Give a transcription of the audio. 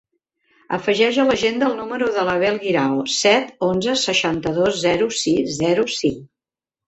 Afegeix a l'agenda el número de l'Abel Guirao: set, onze, seixanta-dos, zero, sis, zero, cinc.